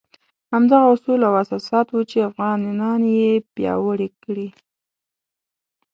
همدغه اصول او اساسات وو چې افغانان یې پیاوړي کړي.